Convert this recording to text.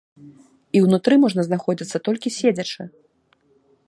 І ўнутры можна знаходзіцца толькі седзячы.